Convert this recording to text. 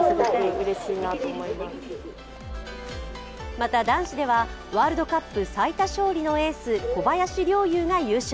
また、男子ではワールドカップ最多勝利のエース、小林陵侑が優勝。